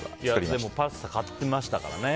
でもパスタ買ってましたからね。